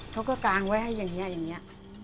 เขาก็กางไว้ให้อย่างนี้อย่างนี้